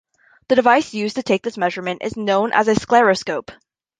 The device used to take this measurement is known as a scleroscope.